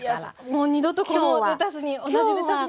もう二度とこのレタスに同じレタスには。